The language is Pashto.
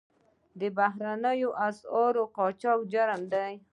د بهرنیو اسعارو قاچاق جرم دی